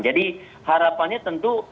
jadi harapannya tentu